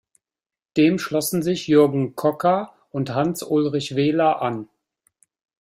Dem schlossen sich Jürgen Kocka und Hans-Ulrich Wehler an.